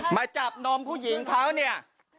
มาจับนมผู้หญิงเขาเนี่ย